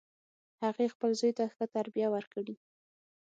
هغې خپل زوی ته ښه تربیه ورکړي